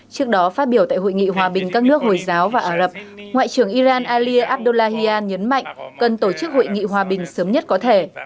trước đó phát biểu tại hội nghị hòa bình các nước hồi giáo và ả rập ngoại trưởng iran ali abdullahian nhấn mạnh cần tổ chức hội nghị hòa bình sớm nhất có thể